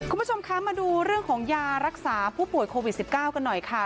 คุณผู้ชมคะมาดูเรื่องของยารักษาผู้ป่วยโควิด๑๙กันหน่อยค่ะ